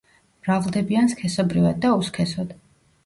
მრავლდებიან სქესობრივად და უსქესოდ.